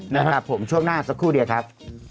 นะครับผมช่วงหน้าสักครู่เดียวครับ